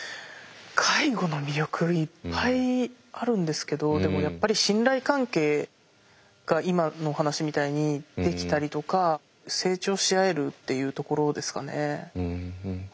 介護の魅力いっぱいあるんですけどでもやっぱり信頼関係が今のお話みたいにできたりとか成長し合えるっていうところですかね。